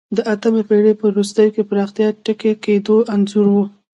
د اتمې پېړۍ په وروستیو کې پراختیا ټکنۍ کېدو انځور و